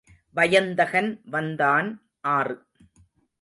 வயந்தகன் வந்தான் ஆறு.